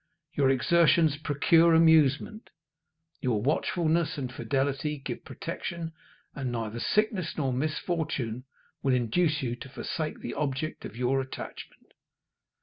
Your exertions procure amusement, your watchfulness and fidelity give protection, and neither sickness nor misfortune will induce you to forsake the object of your attachment.